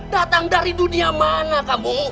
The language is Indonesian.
datang dari dunia mana kamu